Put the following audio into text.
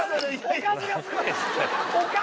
おかずがすごい！